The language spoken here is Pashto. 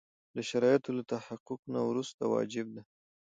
د شرایطو له تحقق نه وروسته واجب ده.